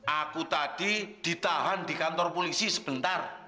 aku tadi ditahan di kantor polisi sebentar